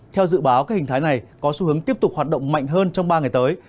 theo dự báo các hình thái này có xu hướng tiếp tục hoạt động mạnh hơn trong ba ngày tới